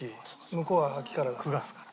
向こうは秋からだから。